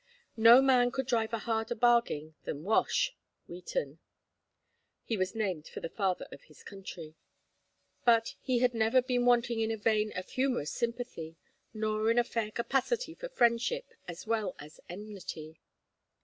No man could drive a harder bargain than "Wash" Wheaton (he was named for the father of his country), but he had never been wanting in a vein of humorous sympathy, nor in a fair capacity for friendship as well as enmity.